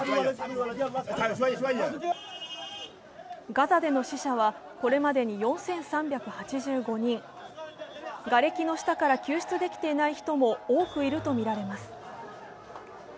ガザでの死者はこれまでに４３８５人、がれきの下から救出できていない人も多くいるとみられています。